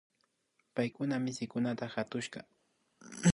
Paykuna mishukunama katushka